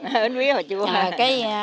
bánh bía mà chua